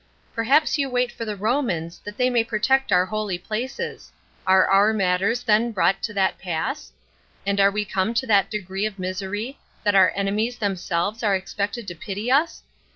Perhaps you wait for the Romans, that they may protect our holy places: are our matters then brought to that pass? and are we come to that degree of misery, that our enemies themselves are expected to pity us?